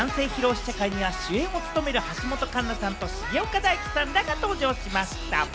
試写会には主演を務める橋本環奈さんと重岡大毅さんらが登場しました。